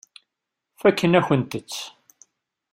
Fakken-akent-tt.